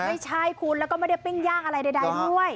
ไม่ใช่คุณแล้วก็ไม่ได้ปิ้งย่างอะไรใดด้วย